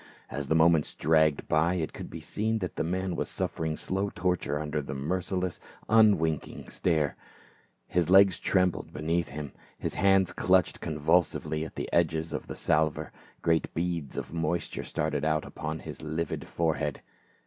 As the moments dragged by it could be seen that the man was suffering slow torture under the merciless un winking stare ; his legs trembled beneath him, liis hands clutched convulsively at the edges of the salver, great beads of moisture started out upon his livid fore head.